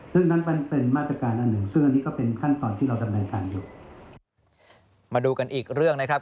ซึ่งนั้นเป็นมาตรการอันนึงซึ่งอันนี้ก็เป็นขั้นตอนที่เราดำเนินการอยู่